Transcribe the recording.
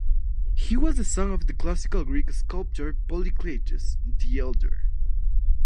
He was the son of the Classical Greek sculptor Polykleitos, the Elder.